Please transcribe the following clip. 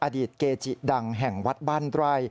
อดีตเกจิดังแห่งวัดบ้านไร่